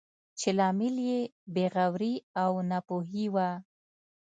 چې لامل یې بې غوري او ناپوهي وه.